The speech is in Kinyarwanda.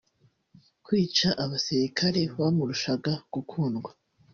Kwica abasirikare bamurushaga gukundwa